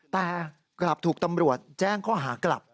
แต่กลับถูกตำรวจแจ้งข้อหากลับ